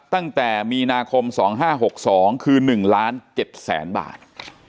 ตั้งแต่มีนาคม๒๕๖๒คือ๑๗๐๐๐๐๐บาท